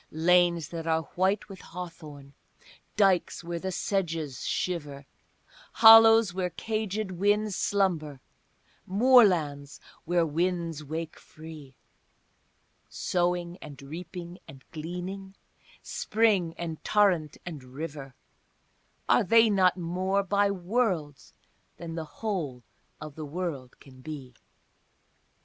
Lanes that are white with hawthorn, dykes where the sedges shiver, Hollows where caged winds slumber, moorlands where winds wake free, Sowing and reaping and gleaning, spring and torrent and river, Are they not more, by worlds, than the whole of the world can be?